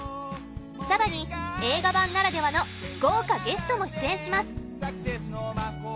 更に映画版ならではの豪華ゲストも出演します。